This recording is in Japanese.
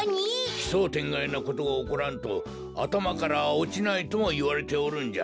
奇想天外なことがおこらんとあたまからおちないともいわれておるんじゃ。